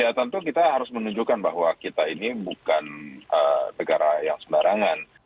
ya tentu kita harus menunjukkan bahwa kita ini bukan negara yang sembarangan